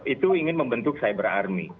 itu ingin membentuk cyber army